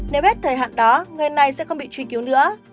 nếu hết thời hạn đó người này sẽ không bị truy cứu nữa